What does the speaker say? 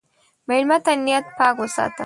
مېلمه ته نیت پاک وساته.